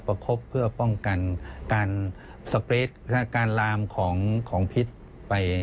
ประคบเพื่อป้องกันการสเกรทการลามของพิษไป